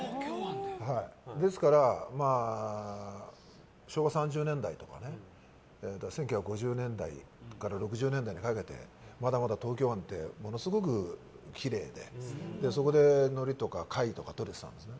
ですから、昭和３０年代とかね１９５０年代から６０年代にかけてまだまだ東京湾ってものすごくきれいでそこで、のりとか貝とかとれてたんですよ。